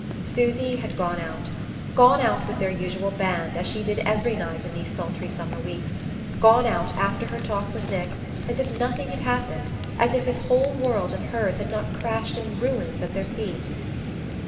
Susy had gone out gone out with their usual band, as she did every night in these sultry summer weeks, gone out after her talk with Nick, as if nothing had happened, as if his whole world and hers had not crashed in ruins at their feet.